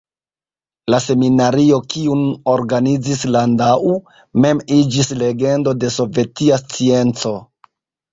La seminario, kiun organizis Landau, mem iĝis legendo de sovetia scienco.